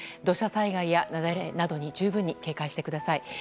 土砂災害や雪崩などに十分に警戒してください。